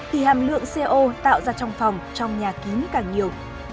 thì hàm lượng co tạo ra trong phòng trong nhà kín càng nhiều